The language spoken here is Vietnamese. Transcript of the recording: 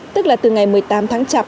tức là từ ngày một mươi tám tháng chạp